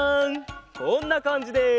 こんなかんじです！